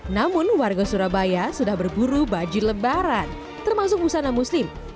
namun warga surabaya sudah berburu baju lebaran termasuk busana muslim